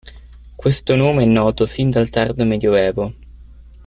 Questo nome è noto sin dal tardo Medioevo.